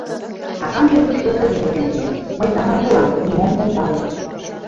Акамже тушто тыге возен пуэн: «Мый самырык улам, нимом ом пале».